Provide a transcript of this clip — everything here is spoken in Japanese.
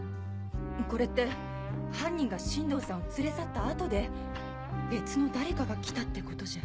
これって犯人が新堂さんを連れ去った後で別の誰かが来たってことじゃ。